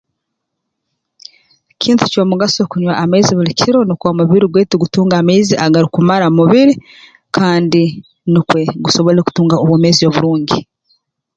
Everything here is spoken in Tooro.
Kintu ky'omugaso kunywa amaizi buli kiro nukwo omubiri gwaitu gutunge amaizi agarukumara mu mubiri kandi nukwo gusobole kutunga obwomeezi oburungi